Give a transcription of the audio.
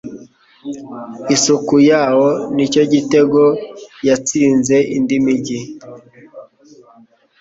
Isuku yawo ni cyo gitego yatsinze indi migi